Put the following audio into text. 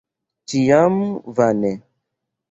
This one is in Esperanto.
Ĉiam vane.